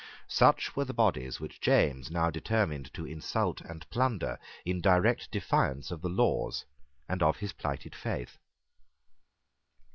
Such were the bodies which James now determined to insult and plunder in direct defiance of the laws and of his plighted faith.